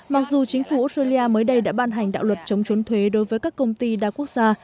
mặc dù chính phủ australia mới đây đã ban hành đạo luật chống chốn thuế đối với các công ty đa quốc gia